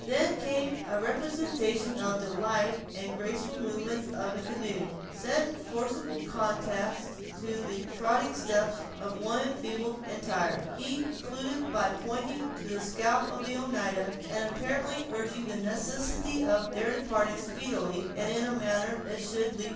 Then came a representation of the light and graceful movements of a canoe, set in forcible contrast to the tottering steps of one enfeebled and tired. He concluded by pointing to the scalp of the Oneida, and apparently urging the necessity of their departing speedily, and in a manner that should leave no trail.